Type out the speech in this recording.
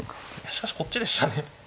しかしこっちでしたね。